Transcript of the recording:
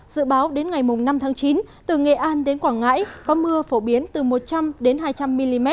dự báo đến ngày năm tháng chín từ nghệ an đến quảng ngãi có mưa phổ biến từ một trăm linh đến hai trăm linh mm